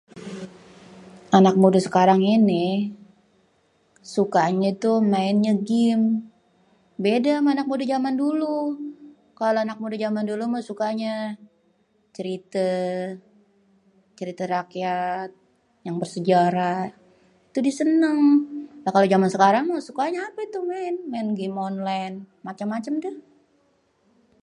anak mude sekarang ini sukanye tuh mainnya gim beda ama anak mude jaman dulu kalo anak mude jaman dulu meh sukanya cerite cerite rakyat yang bersejarah tuh die seneng lah kalo jaman sekarang meh sukanya ape itu maen maen gim online macem-macem deh